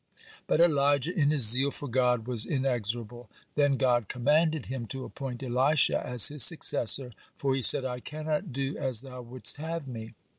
But Elijah in his zeal for God was inexorable. Then God commanded him to appoint Elisha as his successor, for He said: "I cannot do as thou wouldst have me."